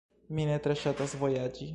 Mi ne tre ŝatas vojaĝi.